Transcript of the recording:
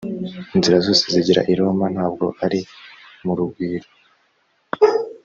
Inzira zose zigera i Roma ntabwo ari mu Rugwiro